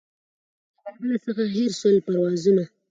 له بلبله څخه هېر سول پروازونه